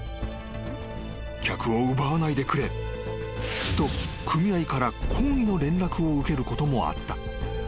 ［客を奪わないでくれと組合から抗議の連絡を受けることもあった］